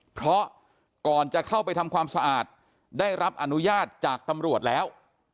เพราะก่อนจะเข้าไปทำความสะอาดได้รับอนุญาตจากตำรวจแล้ว